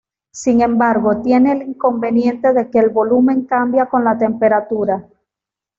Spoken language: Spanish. Sin embargo, tiene el inconveniente de que el volumen cambia con la temperatura.